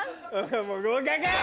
もう合格！